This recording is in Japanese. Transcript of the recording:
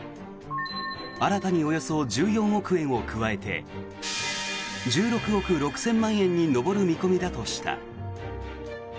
新たにおよそ１４億円を加えて１６億６０００万円に上る見込みだとした。